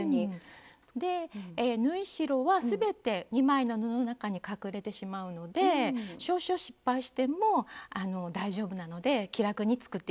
縫い代は全て２枚の布の中に隠れてしまうので少々失敗しても大丈夫なので気楽に作って頂けると思います。